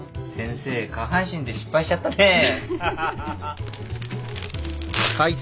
先生下半身で失敗しちゃったね。